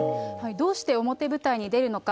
どうして表舞台に出るのか。